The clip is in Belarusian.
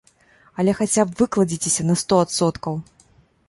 Але хаця б выкладзіцеся на сто адсоткаў!